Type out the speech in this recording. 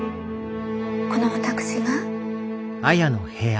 この私が？